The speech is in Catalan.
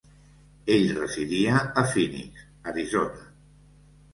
Ell residia a Phoenix, Arizona.